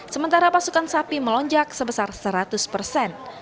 sementara pasukan sapi melonjak sebesar seratus persen